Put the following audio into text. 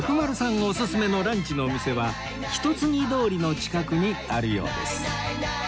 オススメのランチのお店は一ツ木通りの近くにあるようです